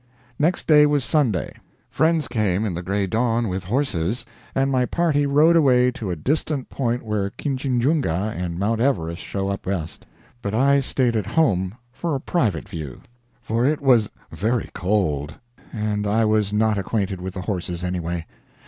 Next day was Sunday. Friends came in the gray dawn with horses, and my party rode away to a distant point where Kinchinjunga and Mount Everest show up best, but I stayed at home for a private view; for it was very cold, and I was not acquainted with the horses, any way.